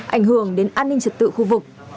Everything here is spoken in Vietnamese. ảnh hưởng đến an ninh trật tự khu vực